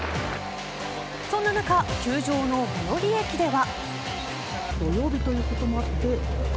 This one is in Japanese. そんな中、球場の最寄り駅では。